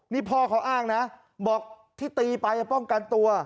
นี่พ่อเขาอ้างนะบอกที่ตีไปป้องกันตัว